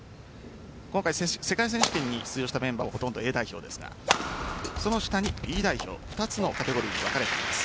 今回、世界選手権に出場したメンバーはほとんどＡ代表ですがその下にＢ代表２つのカテゴリーに分かれています。